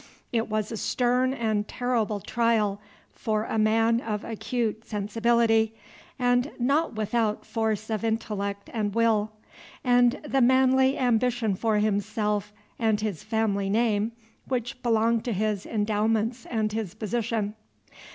It was a stern and terrible trial for a man of acute sensibility, and not without force of intellect and will, and the manly ambition for himself and his family name which belonged to his endowments and his position.